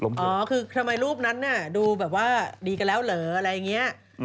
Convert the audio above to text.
อ๋อคือทำไมรูปนั้นน่ะดูแบบว่าดีกันแล้วเหรออะไรอย่างนี้